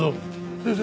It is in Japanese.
先生。